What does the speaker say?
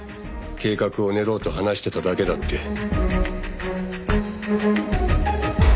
計画を練ろうと話してただけだって。